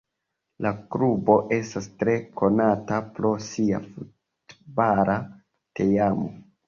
La klubo estas tre konata pro sia futbala teamo.